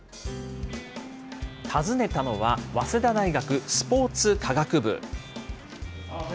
訪ねたのは、早稲田大学スポーツ科学部。